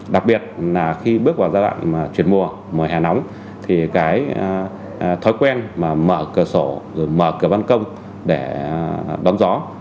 đặc biệt là khi bước vào giai đoạn chuyển mùa mùa hè nóng thì cái thói quen mở cửa sổ mở cửa băn công để đón gió